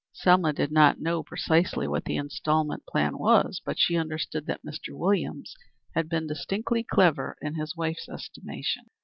Selma did not know precisely what the instalment plan was, but she understood that Mr. Williams had been distinctly clever in his wife's estimation.